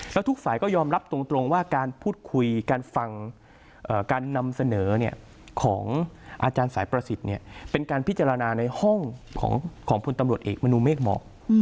แล้วทุกฝ่ายก็ยอมรับตรงว่าการพูดคุยการฟังการนำเสนอของอาจารย์สายประสิทธิ์เป็นการพิจารณาในห้องของพลตำรวจเอกมนุเมฆเหมาะ